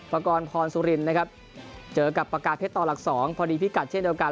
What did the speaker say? พรสุรินทร์นะครับเจอกับประกาศเท็จตอนหลัก๒พอดีพี่กัดเช่นเดียวกัน